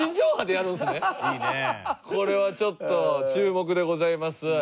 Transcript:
これはちょっと注目でございます。